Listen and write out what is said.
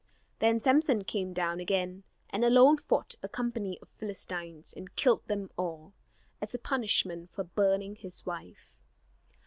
Then Samson came down again, and alone fought a company of Philistines, and killed them all, as a punishment for burning his wife.